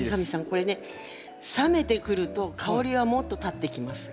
これね冷めてくると香りはもっとたってきます。